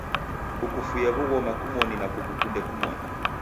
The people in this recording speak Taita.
Kukufuye w'ughoma kumoni na kukukunde kumoni.